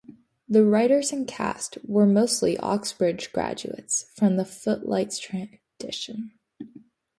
The writers and cast were mostly Oxbridge graduates from the Footlights tradition.